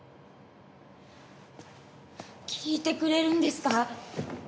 聞いてくれるんですか！？